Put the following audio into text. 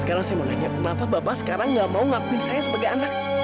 sekarang saya mau nanya kenapa bapak sekarang gak mau ngakuin saya sebagai anak